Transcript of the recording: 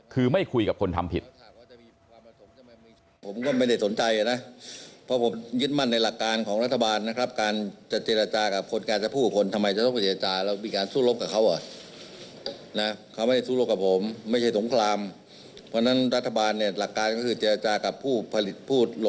คือไม่คุยกับคนทำผิด